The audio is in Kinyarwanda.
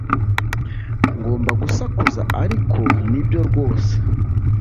ngomba gusakuza, ariko nibyo rwose